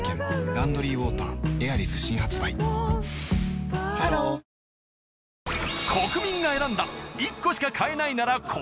「ランドリーウォーターエアリス」新発売ハローランキング